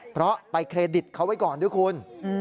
เพราะไปเครดิตเขาไว้ก่อนด้วยคุณ